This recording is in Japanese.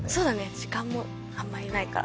時間もあんまりないから。